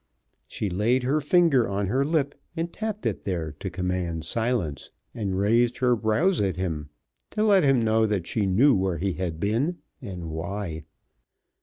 She laid her finger on her lip, and tapped it there to command silence, and raised her brows at him, to let him know that she knew where he had been and why.